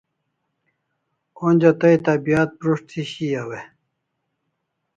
Onja tai tabiat prus't thi shiau e?